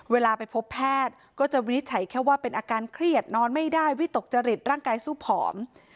เวลาไปพบแพทย์ก็จะวินิจฉัยแค่ว่าเป็นอาการเครียดนอนไม่ได้วิตกจริตร่างกายสู้ผอม